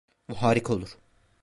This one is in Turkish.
Bu harika olur.